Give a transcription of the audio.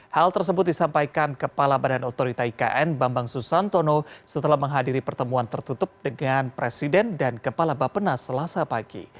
hal tersebut disampaikan kepala badan otorita ikn bambang susantono setelah menghadiri pertemuan tertutup dengan presiden dan kepala bapenas selasa pagi